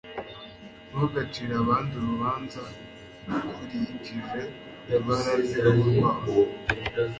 Ntugacire abandi urubanza ukurikije ibara ryuruhu rwabo.